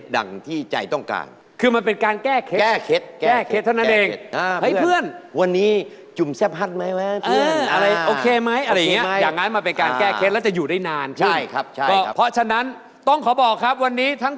ทัฟตี้มีกับเพื่อนแล้วก็เพื่อนมานอนที่มางมานอนข้าง